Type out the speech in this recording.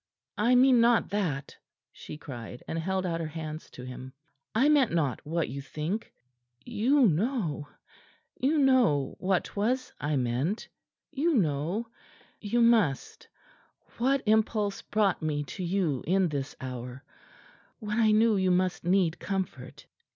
"I mean not that," she cried, and held out her hands to him. "I meant not what you think you know, you know what 'twas I meant. You know you must what impulse brought me to you in this hour, when I knew you must need comfort.